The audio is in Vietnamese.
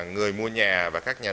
người mua nhà và các nhà